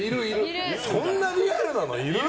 そんなリアルなのいる？